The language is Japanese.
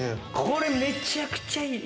これめちゃくちゃいい！